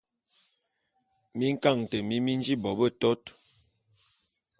Minkaňete mi mi nji bo betot.